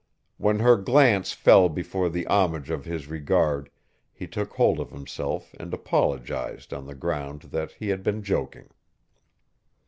When her glance fell before the homage of his regard he took hold of himself and apologized on the ground that he had been joking.